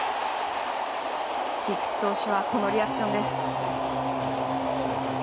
菊池投手はこのリアクションです。